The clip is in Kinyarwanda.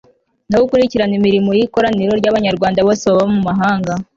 no gukurukirana imirimo y' ikoraniro ry'abanyarwanda bose baba mu mahanga